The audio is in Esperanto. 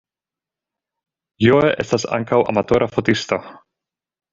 Joe estas ankaŭ amatora fotisto.